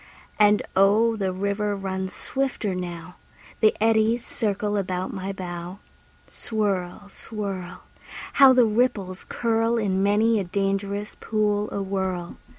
And oh, the river runs swifter now; The eddies circle about my bow. Swirl, swirl! How the ripples curl In many a dangerous pool awhirl!